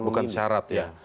bukan syarat ya